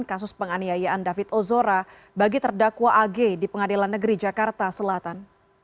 kasus penganiayaan david ozora bagi terdakwa ag di pengadilan negeri jakarta selatan